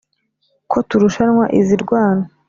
ko turushanwa izi rwana